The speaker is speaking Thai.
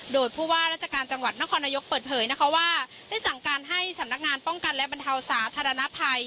โดยผู้ว่าราชการจังหวัดนครนายกเปิดเผยนะคะว่าได้สั่งการให้สำนักงานป้องกันและบรรเทาสาธารณภัย